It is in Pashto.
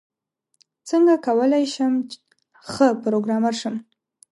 څنګه کولاي شم ښه پروګرامر شم؟